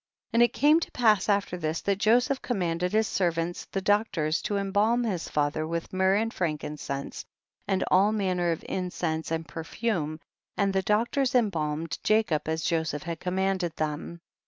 29. And it came to pass after this that Joseph commanded his servants the doctors to embalm his father with myrrh and frankincense and all manner of incense and perfume, and the doctors embalmed Jacob as Joseph had commanded them.